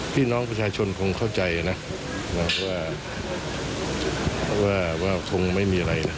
พี่น้องประชาชนคงเข้าใจนะว่าคงไม่มีอะไรนะ